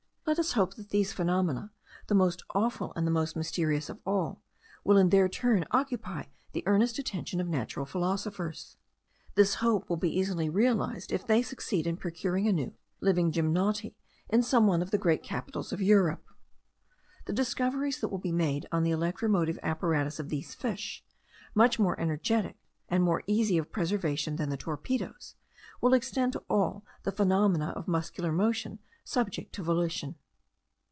Let us hope that these phenomena, the most awful and the most mysterious of all, will in their turn occupy the earnest attention of natural philosophers. This hope will be easily realized if they succeed in procuring anew living gymnoti in some one of the great capitals of Europe. The discoveries that will be made on the electromotive apparatus of these fish, much more energetic, and more easy of preservation, than the torpedos,* will extend to all the phenomena of muscular motion subject to volition.